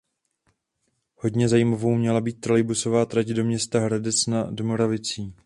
Hodně zajímavou měla být trolejbusová trať do města Hradec nad Moravicí.